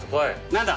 何だ。